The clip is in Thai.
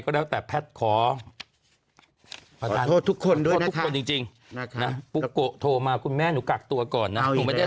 ก็ทักขอโทษทุกคนแล้วก็จริงพูดทองมาคุณแม่หนูขักตัวก่อนนะไม่ได้